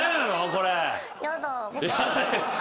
これ。